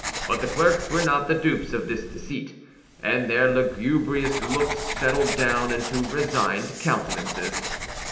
But the clerks were not the dupes of this deceit, and their lugubrious looks settled down into resigned countenances.